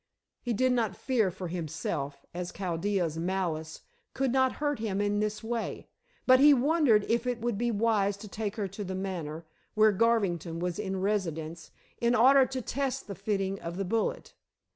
He did not fear for himself, as Chaldea's malice could not hurt him in this way, but he wondered if it would be wise to take her to The Manor, where Garvington was in residence, in order to test the fitting of the bullet.